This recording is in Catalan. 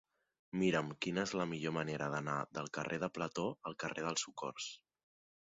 Mira'm quina és la millor manera d'anar del carrer de Plató al carrer del Socors.